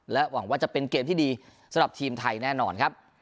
หวังว่าจะเป็นเกมที่ดีสำหรับทีมไทยแน่นอนครับ